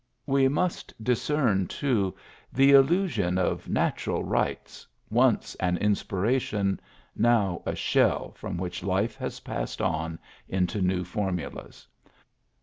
We must discern, too, the illusion of "natural rights," once an inspiration, now a shell from which life has passed on into new formulas.